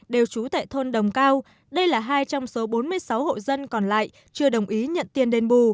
đều trú tại thôn đồng cao đây là hai trong số bốn mươi sáu hộ dân còn lại chưa đồng ý nhận tiền đền bù